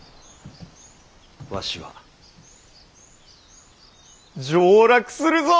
わしは上洛するぞ！